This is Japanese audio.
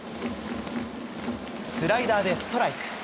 スライダーでストライク。